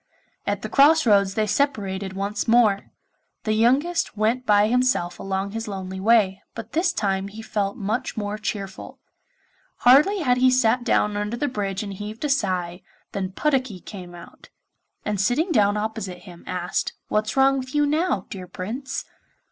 At the cross roads they separated once more. The youngest went by himself along his lonely way, but this time he felt much more cheerful. Hardly had he sat down under the bridge and heaved a sigh, than Puddocky came out; and, sitting down opposite him, asked, 'What's wrong with you now, dear Prince?